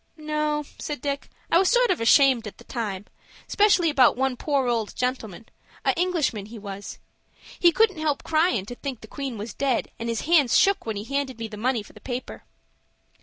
"No," said Dick, "I was sort of ashamed at the time, 'specially about one poor old gentleman,—a Englishman he was. He couldn't help cryin' to think the queen was dead, and his hands shook when he handed me the money for the paper."